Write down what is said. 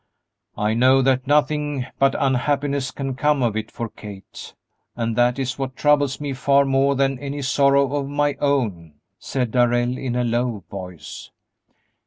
"I know that nothing but unhappiness can come of it for Kate, and that is what troubles me far more than any sorrow of my own," said Darrell, in a low voice.